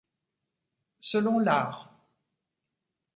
Selon l'Art.